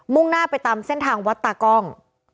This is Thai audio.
่งหน้าไปตามเส้นทางวัดตากล้อง